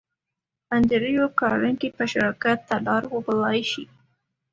انډريو کارنګي به شراکت ته را وبللای شې؟